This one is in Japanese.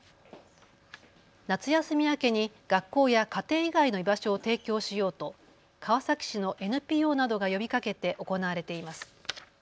夏休み明けに学校や家庭以外の居場所を提供しようと川崎市のＮＰＯなどが呼びかけて行われています。